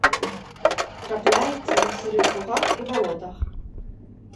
Трапляецца на сырых лугах і балотах.